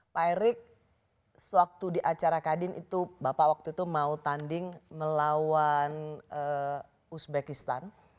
pak erik sewaktu di acara kadin itu bapak waktu itu mau tanding melawan uzbekistan